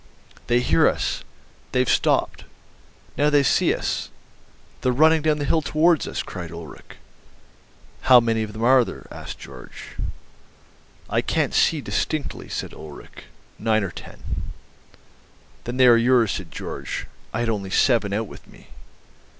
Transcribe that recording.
"They hear us! They've stopped. Now they see us. They're running down the hill towards us," cried Ulrich. "How many of them are there?" asked Georg. "I can't see distinctly," said Ulrich; "nine or ten," "Then they are yours," said Georg; "I had only seven out with me."